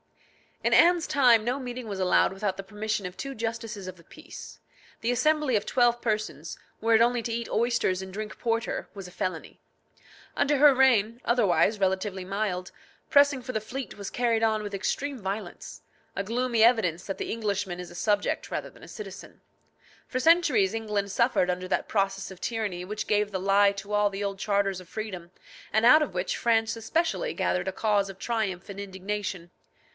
In Anne's time no meeting was allowed without the permission of two justices of the peace. The assembly of twelve persons, were it only to eat oysters and drink porter, was a felony. Under her reign, otherwise relatively mild, pressing for the fleet was carried on with extreme violence a gloomy evidence that the Englishman is a subject rather than a citizen. For centuries England suffered under that process of tyranny which gave the lie to all the old charters of freedom, and out of which France especially gathered a cause of triumph and indignation.